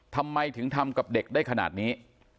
ทำไมถึงทำกับเด็กได้ขนาดนี้